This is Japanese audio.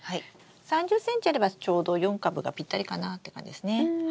３０ｃｍあればちょうど４株がぴったりかなって感じですね。